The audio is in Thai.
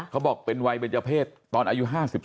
เขาบอกเป็นวัยเบนเจอร์เพศตอนอายุ๕๓